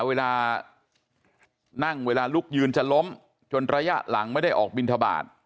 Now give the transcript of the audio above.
เวลานั่งเวลาลุกยืนจะล้มจนระยะหลังไม่ได้ออกบินทบาท